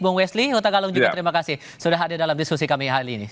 bung wesley utang galung juga terima kasih sudah ada dalam diskusi kami hari ini